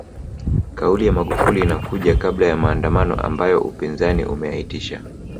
Kauli ya Magufuli inakuja kabla ya maandamano ambayo upinzani umeyaitisha